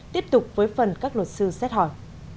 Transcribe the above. tiếp tục với phần các luật sư xét hỏi